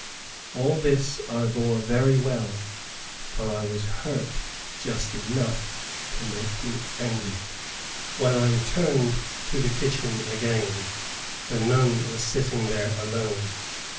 All this I bore very well, for I was hurt just enough to make me angry. When I returned to the kitchen again, the nun was sitting there alone.